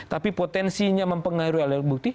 tapi potensinya mempengaruhi alat bukti